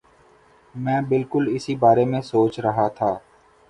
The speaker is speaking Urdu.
میں بالکل اسی بارے میں سوچ رہا تھا